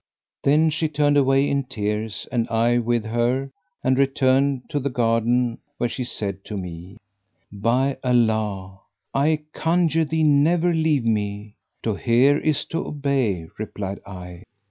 Then she turned away in tears and I with her and returned to the garden where she said to me, "By Allah! I conjure thee never leave me!" "To hear is to obey," replied I.